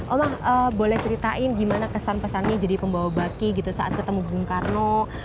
oma boleh ceritain gimana kesan pesannya jadi pembawa baki gitu saat ketemu bung karno